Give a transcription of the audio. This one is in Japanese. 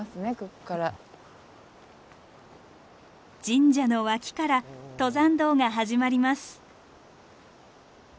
神社の脇から登山道が始まります。